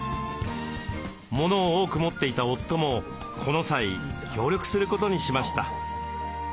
モノを多く持っていた夫もこの際協力することにしました。